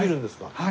はい。